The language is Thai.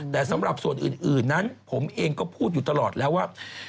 แต่สำหรับส่วนอื่นนั้นผมเองก็พูดอยู่ตลอดแล้วว่า